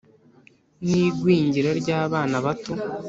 n’igwingira ry’abana bato,